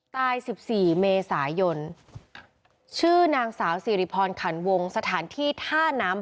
สิบสี่เมษายนชื่อนางสาวสิริพรขันวงสถานที่ท่าน้ำ